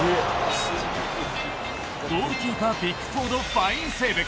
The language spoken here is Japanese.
ゴールキーパー・ピックフォードファインセーブ。